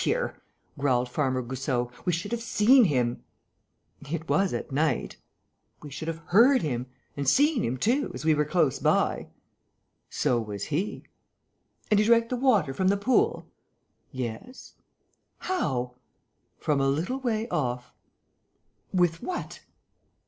"Oh, but look here," growled Farmer Goussot, "we should have seen him!" "It was at night." "We should have heard him ... and seen him too, as we were close by." "So was he." "And he drank the water from the pool?" "Yes." "How?" "From a little way off." "With what?"